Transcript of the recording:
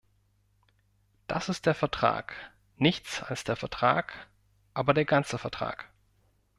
Das ist der Vertrag, nichts als der Vertrag, aber der ganze Vertrag.